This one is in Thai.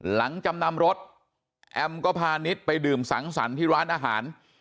จำนำรถแอมก็พานิดไปดื่มสังสรรค์ที่ร้านอาหาร